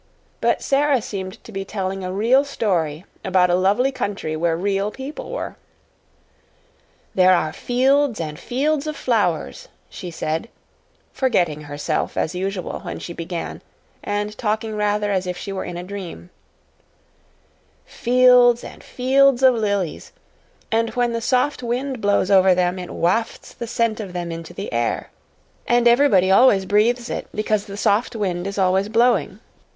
But Sara seemed to be telling a real story about a lovely country where real people were. "There are fields and fields of flowers," she said, forgetting herself, as usual, when she began, and talking rather as if she were in a dream, "fields and fields of lilies and when the soft wind blows over them it wafts the scent of them into the air and everybody always breathes it, because the soft wind is always blowing.